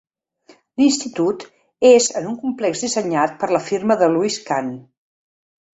L'institut és en un complex dissenyat per la firma de Louis Kahn.